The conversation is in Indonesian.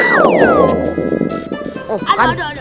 aduh aduh aduh